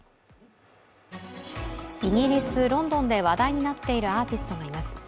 イギリス・ロンドンで話題になっているアーティストがいます。